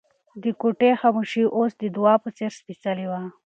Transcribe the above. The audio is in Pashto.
د کوټې خاموشي اوس د دعا په څېر سپېڅلې وه.